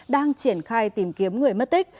đang triển khai tìm kiếm người mất tích